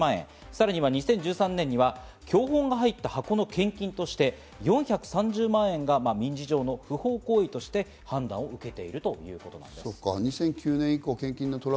さらには２０１３年には教本が入った箱の献金として、４３０万円が民事上の不法行為として判断を受けているということです。